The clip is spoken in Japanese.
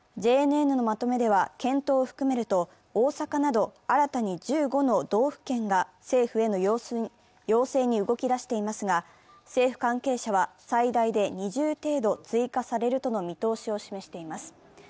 ＪＮＮのまとめでは、検討を含めると大阪など新たに１５の道府県が政府への要請に動き出していますが、政府関係者は最大で２０程度追加されるとの見通しを示しています。